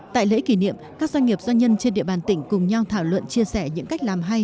tại lễ kỷ niệm các doanh nghiệp doanh nhân trên địa bàn tỉnh cùng nhau thảo luận chia sẻ những cách làm hay